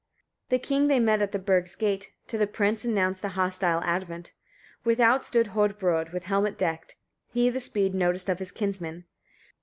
47. The king they met at the burgh's gate, to the prince announced the hostile advent. Without stood Hodbrodd with helmet decked: he the speed noticed of his kinsmen.